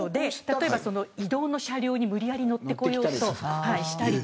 例えば移動の車両に無理やり乗ってこようとしたり。